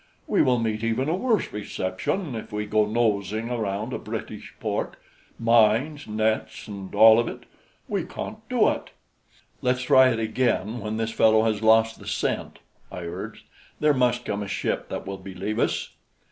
We will meet even a worse reception if we go nosing around a British port mines, nets and all of it. We can't do it." "Let's try it again when this fellow has lost the scent," I urged. "There must come a ship that will believe us."